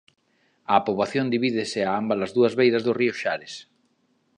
A poboación divídese a ámbalas dúas beiras do río Xares.